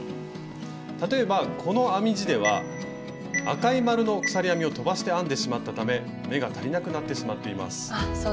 例えばこの編み地では赤い丸の鎖編みをとばして編んでしまったため目が足りなくなってしまっています。